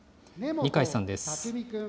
二階さんです。